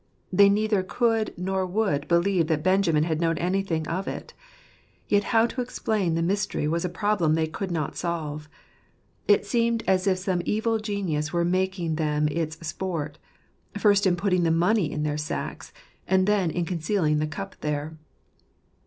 They neither could nor would believe that Benjamin had known anything of it. Yet how to explain the mystery was a problem they could not solve. It seemed as if some evil genius were making them its sport, first in putting the money in their sacks, and then in concealing the cup there.